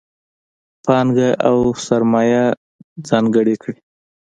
پانګه او سرمایه ځانګړې کړي.